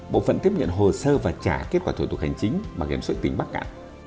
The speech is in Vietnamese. bộ phận tiếp nhận hồ sơ và trả kết quả thủ tục hành chính bảo hiểm sội tỉnh bắc cạn